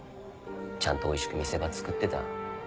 ちゃんとおいしく見せ場つくってた。